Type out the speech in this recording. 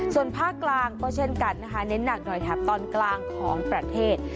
ส่วนภาคกลางก็เช่นกันนะคะเน้นหนักหน่อยแถบตอนกลางของประเทศ